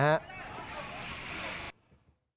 ไฟมันก็โหมลุกกระหน่ำให้คุณผู้ชมดูคลิปเหตุการณ์นี้หน่อยนะฮะ